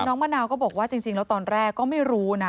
มะนาวก็บอกว่าจริงแล้วตอนแรกก็ไม่รู้นะ